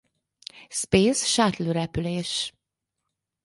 Space Shuttle repülés.